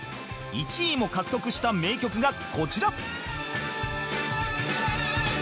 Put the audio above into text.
１位も獲得した名曲がこちら